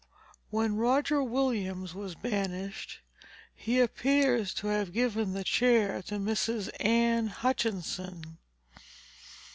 When Roger Williams was banished, he appears to have given the chair to Mrs. Anne Hutchinson.